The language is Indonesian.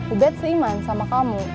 ubed seiman sama kamu